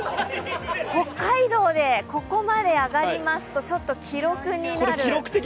北海道で、ここまで上がりますとちょっと記録になる。